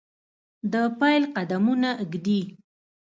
دپیل قدمونه ایږدي